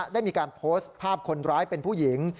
ได้มีการโพสต์ภาพคนร้ายเป็นผู้หญิง